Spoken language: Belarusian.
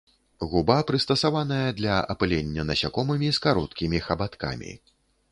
Губа прыстасаваная для апылення насякомымі з кароткімі хабаткамі.